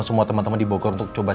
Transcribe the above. nusantara sama bencanas